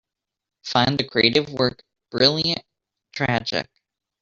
Find the creative work Brilliant! Tragic!